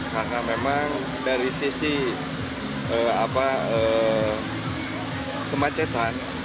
karena memang dari sisi kemacetan